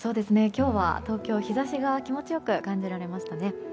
今日は東京、日差しが気持ちよく感じられましたね。